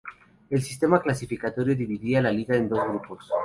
El sistema clasificatorio dividía la Liga en dos grupos.